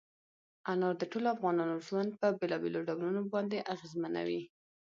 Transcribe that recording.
انار د ټولو افغانانو ژوند په بېلابېلو ډولونو باندې اغېزمنوي.